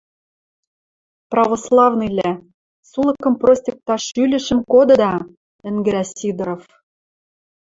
Православныйвлӓ... сулыкым простьыкташ шӱлӹшӹм кодыда!.. — ӹнгӹрӓ Сидоров.